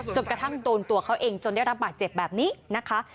จนกระทั่งโดนตัวเขาเองจนได้รับบาดเจ็บแบบนี้นะคะ